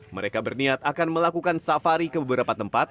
mereka berniat akan melakukan safari ke beberapa tempat